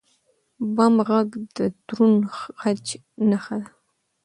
بم غږ د دروند خج نښه ده.